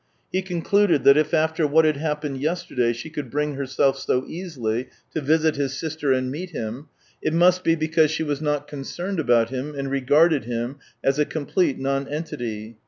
He concluded that if after what had happened yesterday she could bring herself so easily to visit his sister and meet him, it must be because she was not concerned 2o6 THE TALES OF TCHEHOV about him, and regarded him as a complete nonentity.